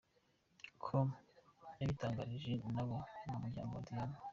com yabitangarijwe n’abo mu muryango wa Diane.